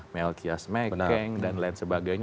melkias mekeng dan lain sebagainya